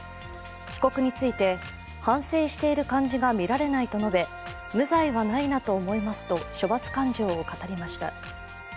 被告について、反省している感じが見られないと述べ、無罪はないなと思いますと、処罰感情を語りました。